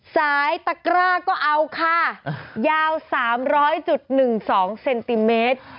ตะกร้าก็เอาค่ะยาว๓๐๐๑๒เซนติเมตร